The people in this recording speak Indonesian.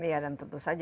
iya dan tentu saja